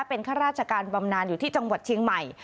เป็นข้าราชการบำนานอยู่ที่จังหวัดเชียงใหม่